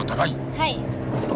はい。